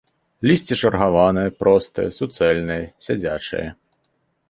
Лісце чаргаванае, простае, суцэльнае, сядзячае.